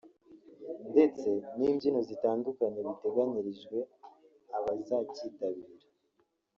ndetse n’imbyino zitandukanye biteganyirijwe abazakitabira